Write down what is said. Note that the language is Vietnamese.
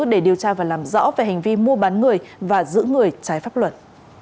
để điều tra và làm rõ về hành vi mua bán người và giữ người trái pháp luật